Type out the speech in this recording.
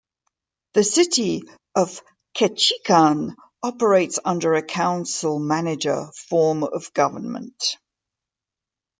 The City of Ketchikan operates under a council-manager form of government.